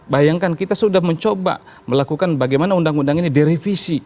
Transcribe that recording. bayangkan kita sudah mencoba melakukan bagaimana undang undang ini direvisi